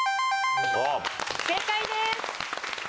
正解です！